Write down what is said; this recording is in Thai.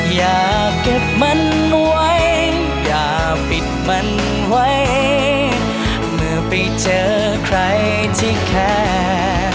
อย่าเก็บมันไว้อย่าปิดมันไว้เมื่อไปเจอใครที่แคร์